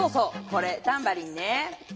これタンバリンね。